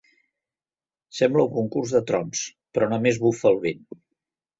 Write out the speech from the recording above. Sembla un concurs de trons, però només bufa el vent.